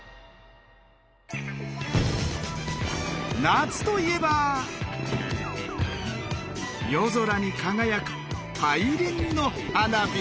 夏といえば夜空に輝く大輪の花火！